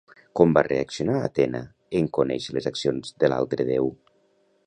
Com va reaccionar Atena en conèixer les accions de l'altre déu?